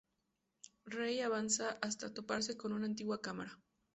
Rei avanza hasta toparse con una antigua cámara.